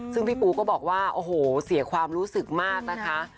ซึ่งพี่ปูก็บอกว่าโอ้โหเสียความรู้สึกมากนะคะ